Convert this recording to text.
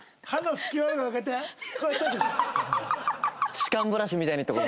歯間ブラシみたいにって事。